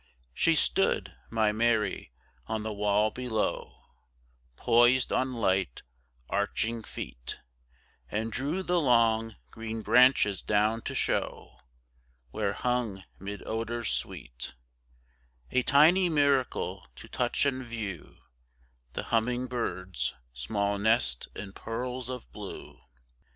She stood, my Mary, on the wall below, Poised on light, arching feet, And drew the long, green branches down to show Where hung, mid odors sweet, A tiny miracle to touch and view, The humming bird's, small nest and pearls of blue.